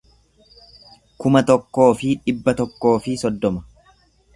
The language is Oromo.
kuma tokkoo fi dhibba tokkoo fi soddoma